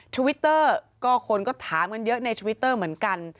ทวิตเตอร์ก็คนก็ถามกันเยอะในทวิตเตอร์เหมือนกัน